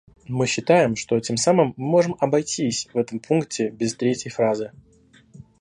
Мы считаем, что тем самым мы можем обойтись в этом пункте без третьей фразы.